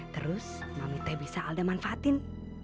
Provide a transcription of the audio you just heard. terus mami teh bisa alda manfaatin